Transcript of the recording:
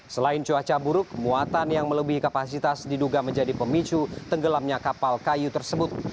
selain cuaca buruk muatan yang melebihi kapasitas diduga menjadi pemicu tenggelamnya kapal kayu tersebut